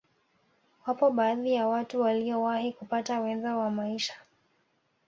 Wapo baadhi ya watu waliyowahi kupata wenza wa maisha